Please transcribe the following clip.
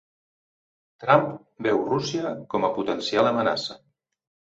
Trump veu Rússia com a potencial amenaça